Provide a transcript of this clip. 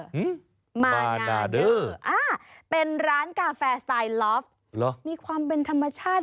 หึมานาเดอร์อ่ะเป็นร้านกาแฟสไตล็อฟมีความเป็นธรรมชาติ